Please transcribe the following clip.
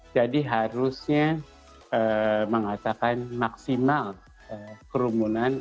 jadi harusnya mengatakan maksimal kerumunan